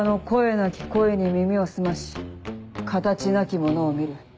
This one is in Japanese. なき声に耳を澄まし形なきものを見る。